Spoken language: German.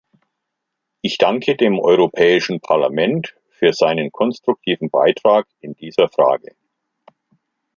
Ich danke dem Europäischen Parlament für seinen konstruktiven Beitrag in dieser Frage.